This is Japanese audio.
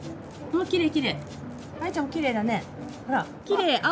きれいきれい！